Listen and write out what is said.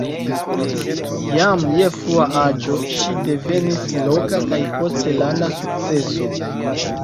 Jam je frua aĝo ŝi devenis loka kaj poste landa sukceso.